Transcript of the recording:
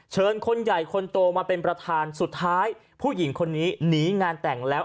คนใหญ่คนโตมาเป็นประธานสุดท้ายผู้หญิงคนนี้หนีงานแต่งแล้ว